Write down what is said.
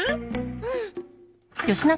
うん。